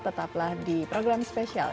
tetaplah di program spesial